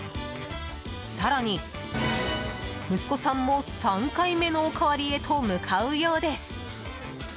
更に、息子さんも３回目のおかわりへと向かうようです。